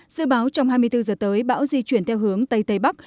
sự báo trong hai mươi bốn giờ tới bão di chuyển theo hướng tây tây bắc